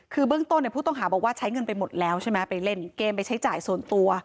คือเบื้องต้นผู้ต้องหาบอกว่าใช้เงินไปหมดแล้วใช่ไหมไปเล่นเกมไปใช้จ่ายส่วนตัว